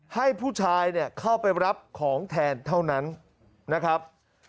ให้ผู้ชายเนี่ยเข้าไปรับของแทนเท่านั้นนะครับ